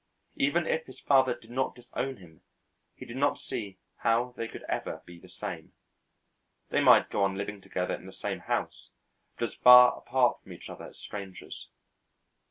Even if his father did not disown him, he did not see how they could ever be the same. They might go on living together in the same house, but as far apart from each other as strangers.